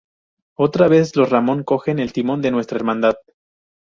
Otra vez los Ramón cogen el timón de nuestra Hermandad.